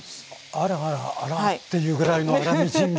あらあらあらっていうぐらいの粗みじん切り。